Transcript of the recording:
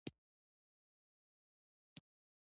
دښمن ستا رازونه پلټي